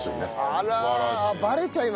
あら。